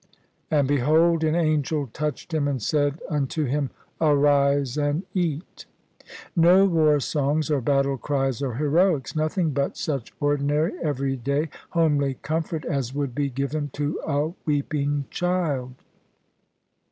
"And behold an angel touched him and said unto him. Arise and eat." No war songs or battle cries or heroics. Nothing but such ordinary, everyday, homely comfort as would be given to a weeping child.